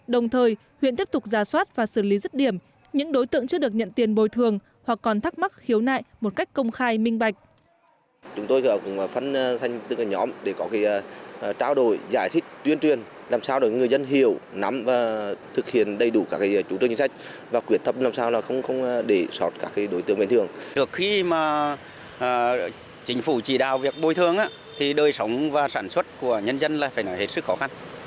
đồng thời huyện tiếp tục giả soát và xử lý rất điểm những đối tượng chưa được nhận tiền bồi thường hoặc còn thắc mắc khiếu nại một cách công khai minh bạch